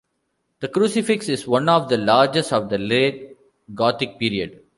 The crucifix is one of the largest of the late Gothic period.